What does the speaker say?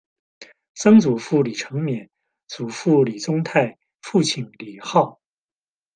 曾祖父李成勉；祖父李宗泰；父亲李昊。